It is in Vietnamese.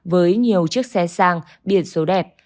với nhiều chiếc xe sang biệt số đẹp